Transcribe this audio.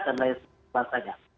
dan lain sebagainya